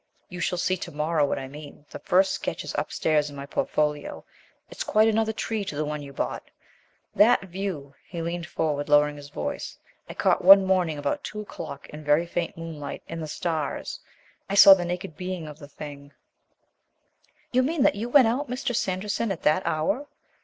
You shall see to morrow what I mean that first sketch is upstairs in my portfolio; it's quite another tree to the one you bought. That view" he leaned forward, lowering his voice "I caught one morning about two o'clock in very faint moonlight and the stars. I saw the naked being of the thing " "You mean that you went out, Mr. Sanderson, at that hour?"